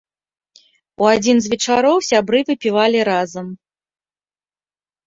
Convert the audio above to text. У адзін з вечароў сябры выпівалі разам.